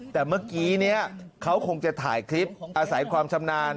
แต่เมื่อกี้นี้เขาคงจะถ่ายคลิปอาศัยความชำนาญ